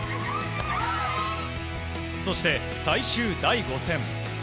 そして、最終第５戦。